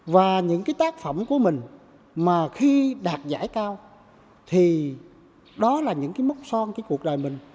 và những cái tác phẩm của mình mà khi đạt giải cao thì đó là những cái mốc son cái cuộc đời mình